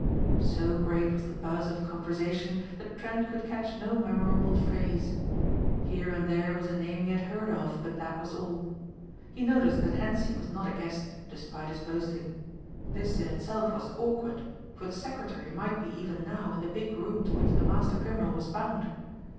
So great was the buzz of conversation that Trent could catch no memorable phrase. Here and there was a name he had heard of but that was all. He noticed that Hentzi was not a guest despite his boasting. This in itself was awkward for the secretary might be even now in the big room to which the master criminal was bound.